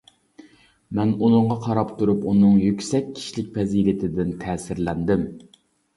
مەن ئۇنىڭغا قاراپ تۇرۇپ، ئۇنىڭ يۈكسەك كىشىلىك پەزىلىتىدىن تەسىرلەندىم.